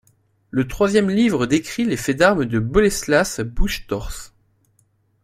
Le troisième livre décrit les faits d’armes de Boleslas Bouche-Torse.